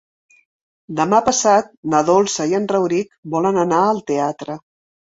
Demà passat na Dolça i en Rauric volen anar al teatre.